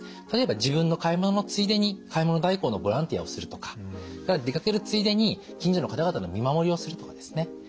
例えば自分の買い物のついでに買い物代行のボランティアをするとかそれから出かけるついでに近所の方々の見守りをするとかですね